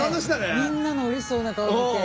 みんなのうれしそうな顔見て。